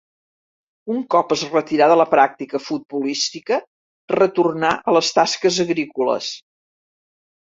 Un cop es retirà de la pràctica futbolística retornà a les tasques agrícoles.